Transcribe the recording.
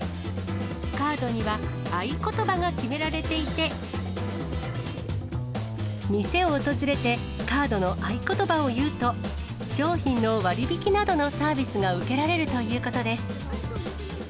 カードには、合言葉が決められていて、店を訪れて、カードの合言葉を言うと、商品の割引などのサービスが受けられるということです。